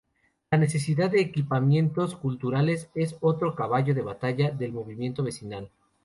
La necesidad de equipamientos culturales es otro caballo de batalla del movimiento vecinal.